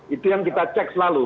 itu yang kita cek selalu